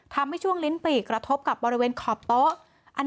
ทำให้ช่วงลิ้นปีกกระทบกับบริเวณขอบโต๊ะ